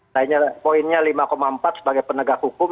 saya nyalakan poinnya lima empat sebagai penegak hukum